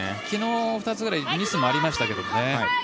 昨日、２つぐらいミスもありましたけどもね。